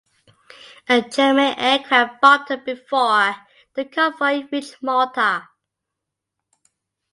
A German aircraft bombed her before the convoy reached Malta.